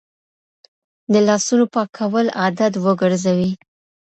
د لاسونو پاکول عادت وګرځوئ.